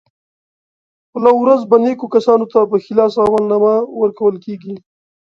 په لو ورځ به نېکو کسانو ته په ښي لاس عملنامه ورکول کېږي.